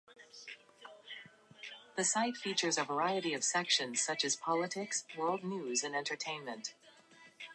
Tom Price and Don Blackstone currently play in the Tom Price Desert Classic.